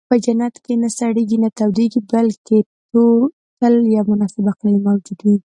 په جنت کې نه سړېږي، نه تودېږي، بلکې تل یو مناسب اقلیم موجود وي.